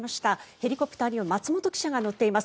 ヘリコプターには松本記者が乗っています。